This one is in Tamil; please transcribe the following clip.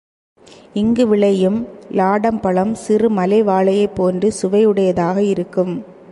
இங்கு விளையும் லாடம் பழம், சிறு மலை வாழையைப் போன்று சுவையுடையதாக இருக்கும்.